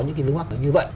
những cái vấn đề như vậy